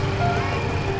setia pak bos